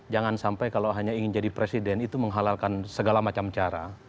jangan sampai kalau hanya ingin jadi presiden itu menghalalkan segala macam cara